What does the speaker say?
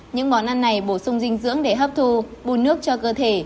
những món ăn này bổ sung dinh dưỡng để hấp thu bùn nước cho cơ thể